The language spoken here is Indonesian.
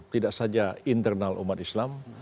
tidak saja internal umat islam